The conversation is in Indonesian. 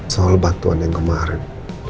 soal bantuan yang kemarin